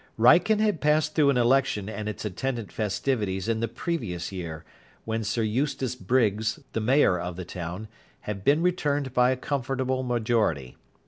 Wrykyn had passed through an election and its attendant festivities in the previous year, when Sir Eustace Briggs, the mayor of the town, had been returned by a comfortable majority.